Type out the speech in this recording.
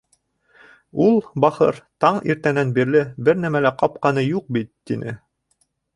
Ул, бахыр, таң иртәнән бирле бер нәмә лә ҡапҡаны юҡ бит, — тине.